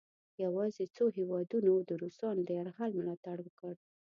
یواځې څو هیوادونو د روسانو د یرغل ملا تړ وکړ.